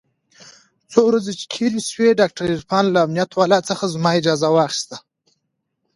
څو ورځې چې تېرې سوې ډاکتر عرفان له امنيت والاو څخه زما اجازه واخيسته.